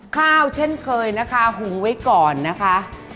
ข้าวเช่นเคยนะคะหุงไว้ก่อนนะคะ